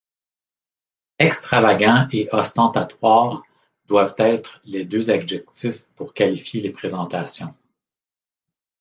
Extravagants et ostentatoires doivent être les deux adjectifs pour qualifier les présentations.